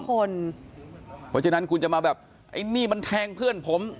เพราะฉะนั้นคุณจะมาแบบไอ้นี่มันแทงเพื่อนผม